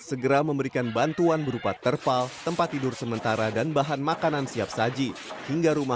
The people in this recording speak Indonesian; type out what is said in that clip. segera memberikan bantuan berupa terpal tempat tidur sementara dan bahan makanan siap saji hingga rumah